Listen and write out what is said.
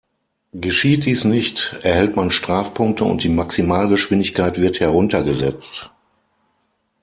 Geschieht dies nicht, erhält man Strafpunkte und die Maximalgeschwindigkeit wird heruntergesetzt.